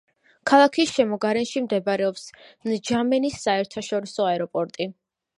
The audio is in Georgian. ქალაქის შემოგარენში მდებარეობს ნჯამენის საერთაშორისო აეროპორტი.